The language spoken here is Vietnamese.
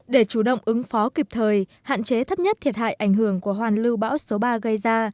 để chủ động ứng phó kịp thời hạn chế thấp nhất thiệt hại ảnh hưởng của hoàn lưu bão số ba gây ra